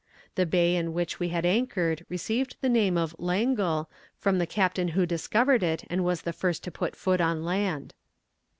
The bay in which we had anchored received the name of Langle, from the captain who discovered it, and was the first to put foot on land.